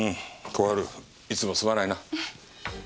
小春いつもすまないな。